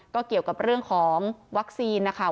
ก็เกี่ยวกับเรื่องของวัคซีนนะคะ